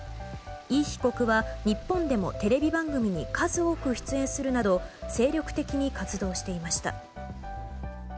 イ被告は日本でもテレビ番組に数多く出演するなど精力的に活動していました。